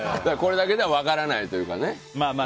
これだけでは分からないというかね。